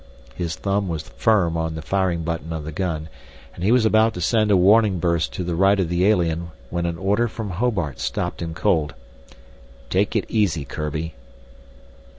His thumb was firm on the firing button of the gun and he was about to send a warning burst to the right of the alien when an order from Hobart stopped him cold. "Take it easy, Kurbi."